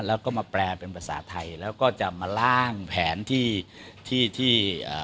แล้วก็มาแปลเป็นภาษาไทยแล้วก็จะมาล่างแผนที่ที่ที่เอ่อ